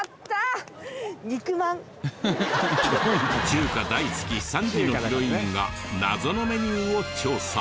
中華大好き３時のヒロインが謎のメニューを調査。